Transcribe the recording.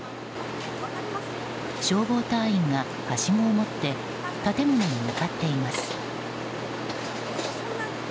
消防隊員がはしごを持って建物へ向かっています。